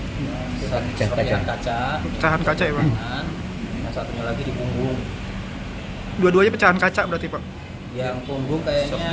kaca kaca yang satu lagi di punggung dua duanya pecahan kaca berarti pak yang punggung kayaknya